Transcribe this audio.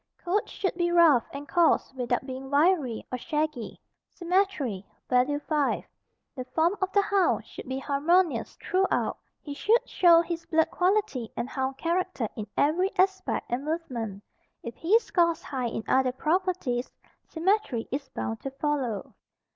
Coat should be rough and course without being wiry or shaggy. Symmetry (value 5). The form of the hound should be harmonious thruout. He should show his blood quality and hound character in every aspect and movement. If he scores high in other properties, symmetry is bound to follow.